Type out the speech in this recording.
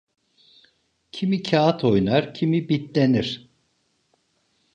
Kimi kağıt oynar, kimi bitlenir.